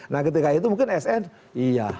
nah ketika itu mungkin sn iya